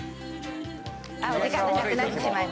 お時間がなくなってしまいました。